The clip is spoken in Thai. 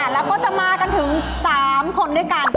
แล้วก็จะมากันถึง๓คนด้วยกัน